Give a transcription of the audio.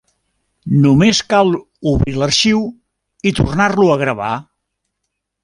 Només cal obrir l'arxiu i tornar-lo a gravar.